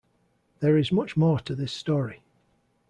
There is much more to this story.